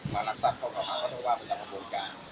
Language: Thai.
มารับทราบเขาก็ต้องว่าเป็นตัวประโยชน์การ